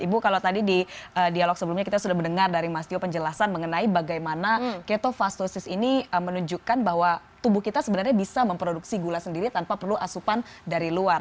ibu kalau tadi di dialog sebelumnya kita sudah mendengar dari mas tio penjelasan mengenai bagaimana ketofastosis ini menunjukkan bahwa tubuh kita sebenarnya bisa memproduksi gula sendiri tanpa perlu asupan dari luar